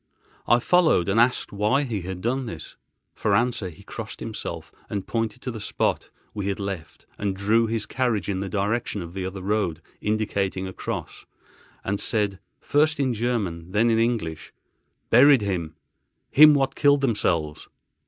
I followed, and asked why he had done this. For answer he crossed himself, pointed to the spot we had left and drew his carriage in the direction of the other road, indicating a cross, and said, first in German, then in English: "Buried him—him what killed themselves."